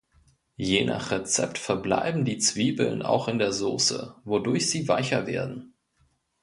Je nach Rezept verbleiben die Zwiebeln auch in der Sauce, wodurch sie weicher werden.